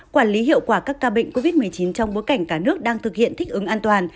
quản lý hiệu quả các ca bệnh covid một mươi chín trong bối cảnh cả nước đang thực hiện thích ứng an toàn